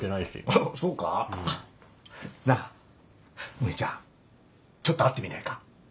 お兄ちゃんちょっと会ってみないか？